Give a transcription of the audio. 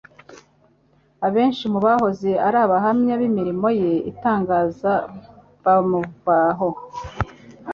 abenshi mu bahoze ari abahamya b'imirimo ye itangaza bamuvaho,